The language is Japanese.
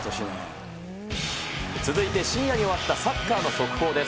続いて深夜に終わったサッカーの速報です。